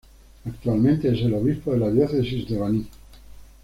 Actualmente es el obispo de la diócesis de Baní.